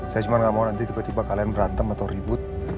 saya cuma nggak mau nanti tiba tiba kalian berantem atau ribut